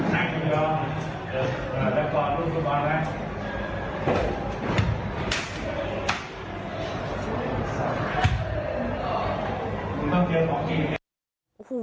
มึงต้องเจอของจริง